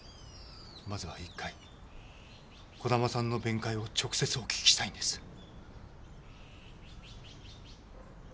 まずは一回児玉さんの弁解を直接お聞きしたいんです。